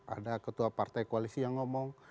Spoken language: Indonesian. ada ketua partai koalisi yang ngomong